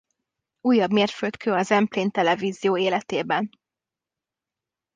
Újabb mérföldkő a Zemplén Televízió életében.